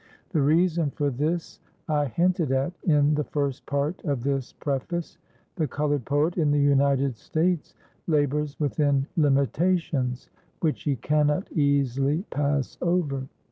The reason for this I hinted at in the first part of this preface. The colored poet in the United States labors within limitations which he cannot easily pass over.